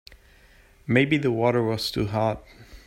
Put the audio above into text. Maybe the water was too hot.